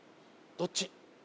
どっち？